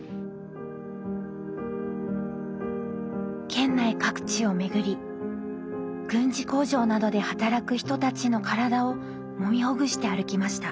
県内各地を巡り軍事工場などで働く人たちの体をもみほぐして歩きました。